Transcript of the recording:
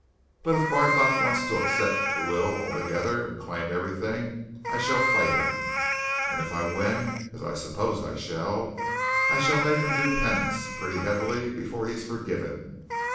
But if Barthorpe wants to upset the will altogether and claim everything, I shall fight him. And if I win as I suppose I shall I shall make him do penance pretty heavily before he's forgiven.